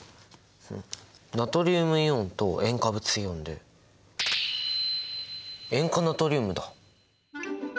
ナトリウムイオンと塩化物イオンで塩化ナトリウムだ。